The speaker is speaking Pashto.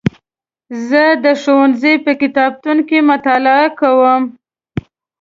زه د ښوونځي په کتابتون کې مطالعه کوم.